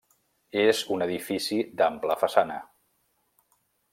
És un edifici d'ampla façana.